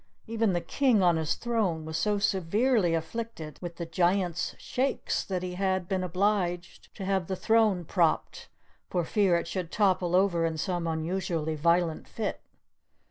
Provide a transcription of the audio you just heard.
Even the King on his throne was so severely afflicted with the Giant's Shakes that he had been obliged to have the throne propped, for fear it should topple over in some unusually violent fit.